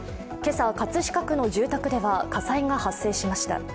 今朝、葛飾区の住宅では火災が発生しました。